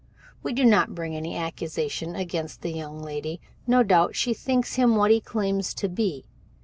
We do not bring any accusation against the young lady. No doubt she thinks him what he claims to be.